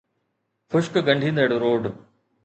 خشڪ ڳنڍيندڙ روڊ